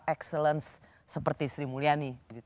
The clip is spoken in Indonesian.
excellence seperti sri mulyani